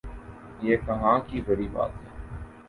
یہ کہاں کی بری بات ہے؟